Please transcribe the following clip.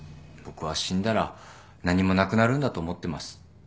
僕は死んだら何もなくなるんだと思ってます。